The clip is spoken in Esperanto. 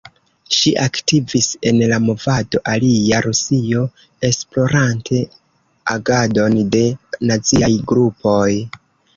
Ŝi aktivis en la movado "Alia Rusio" esplorante agadon de naziaj grupoj.